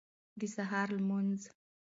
د سهار لمونځ